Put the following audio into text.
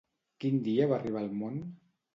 Quin dia va arribar al món?